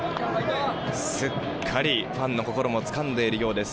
すっかりファンの心もつかんでいるようです。